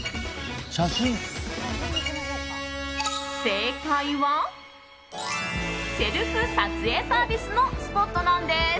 正解は、セルフ撮影サービスのスポットなんです。